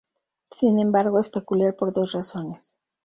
Sin embargo, es peculiar por dos razones.